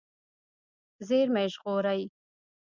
زیرمې ژغورئ.